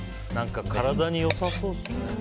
体に良さそうですね。